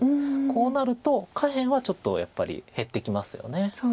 こうなると下辺はちょっとやっぱり減ってきますよね。